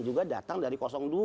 juga datang dari dua